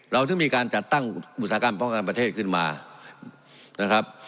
ถึงมีการจัดตั้งอุตสาหกรรมป้องกันประเทศขึ้นมานะครับ